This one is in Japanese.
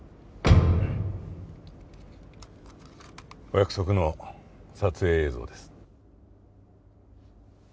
お約束の撮影映像です。